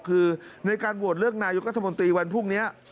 คือในการวงเรือกนายกธบตรีวันพรุ่งนี้